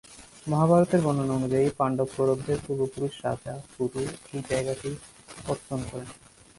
মহাভারতের বর্ণনা অনুযায়ী, পান্ডব-কৌরবদের পূর্বপুরুষ রাজা কুরু এই জায়গাটির পত্তন করেন।